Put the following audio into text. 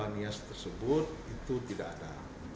yang ada di nia tersebut itu tidak ada